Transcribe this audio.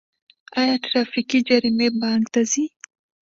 آیا ټرافیکي جریمې بانک ته ځي؟